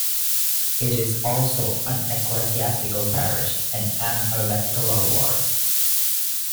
It is also an Ecclesiastical parish and an electoral ward.